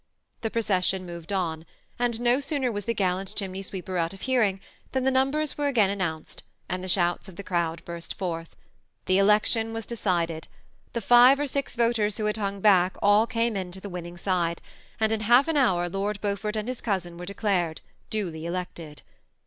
The procession moved on, and no sooner was the gallant chimney sweeper oat of bearing, than the numbers were again announced ; and the shouts of the crowd burst fortlu The election was decided ; the fire or six voters who had hung back all came in to the winning side ; and in half an hour Lord Beaufort and his cousin were declared duly elected.